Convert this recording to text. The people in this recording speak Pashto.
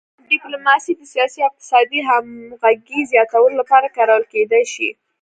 ډیپلوماسي د سیاسي او اقتصادي همغږۍ زیاتولو لپاره کارول کیدی شي